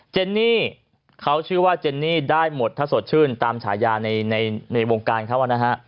เจนี่เค้าชื่อว่าเจนี่ได้หมดถ้าสดสื่นตามฉายาในโรงการเหรอวะเนี่ย